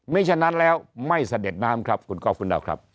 ไม่ฉะนั้นแล้วไม่เสด็จน้ำครับขอบคุณครับ